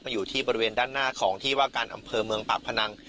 อยู่ที่บริเวณด้านหน้าของที่ว่าการอำเภอเมืองปากพนัง